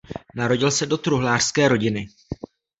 Narodil se do truhlářské rodiny.